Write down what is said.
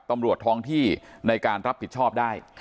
ตำรวจท้องที่ในการรับผิดชอบได้